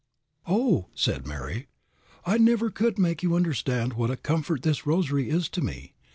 "Oh," answered Mary, "I never could make you understand what a comfort this rosary is to me.